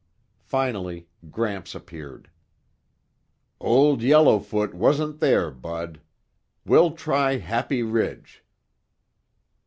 Finally Gramps appeared. "Old Yellowfoot wasn't there, Bud. We'll try Happy Ridge."